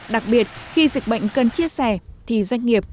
đặc biệt khi dịch bệnh cần chia sẻ thì doanh nghiệp